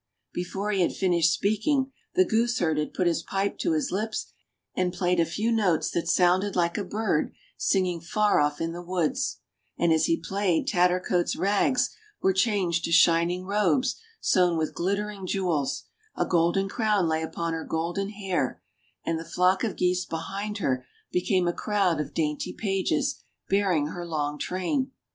Before he had finished speaking the gooseherd had put his pipe to his lips and played a few notes that sounded like a bird singing far off in the woods ; and as he played Tatter coats' rags were changed to shining robes sewn with glittering jewels, a golden crown lay upon her golden hair, and the flock of geese behind her became a crowd of dainty pages, bearing her long train.